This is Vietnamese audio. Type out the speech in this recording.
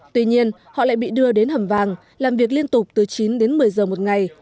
tuy nhiên họ lại bị đưa đến hầm vàng làm việc liên tục từ chín đến một mươi giờ một ngày